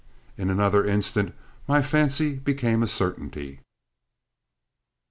In another instant my fancy became a certainty.